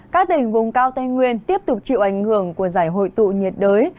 các tỉnh vùng cao tây nguyên tiếp tục chịu ảnh hưởng của giải hội tụ nhiệt đới